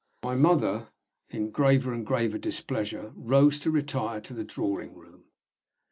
My mother, in graver and graver displeasure, rose to retire to the drawing room.